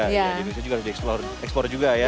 di indonesia juga harus di eksplore juga ya